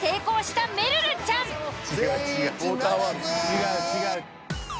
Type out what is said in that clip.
違う違う。